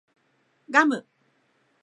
ガム